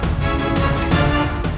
sekarang kamu harus pulang